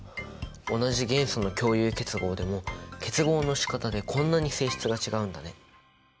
同じ元素の共有結合でも結合のしかたでこんなに性質が違うんだね。